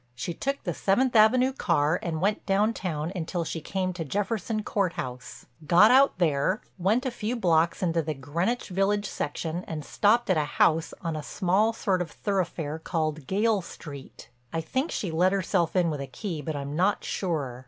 She took the Seventh Avenue car and went downtown until she came to Jefferson Court house, got out there, went a few blocks into the Greenwich Village section and stopped at a house on a small sort of thoroughfare called Gayle Street. I think she let herself in with a key, but I'm not sure.